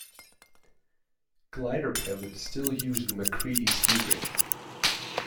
Glider pilots still use the "MacCready speed ring".